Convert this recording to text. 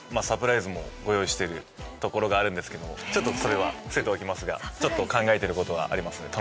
サプライズもご用意してるところがあるんですけどもちょっとそれは伏せておきますが考えてることはあります。